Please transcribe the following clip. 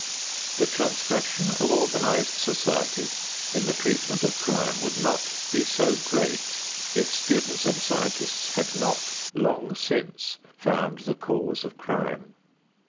The transgression of organized society in the treatment of crime would not be so great if students and scientists had not long since found the cause of crime.